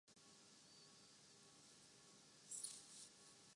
خود ہی اس مخلوق کے رویے پر تبصرہ کیاہے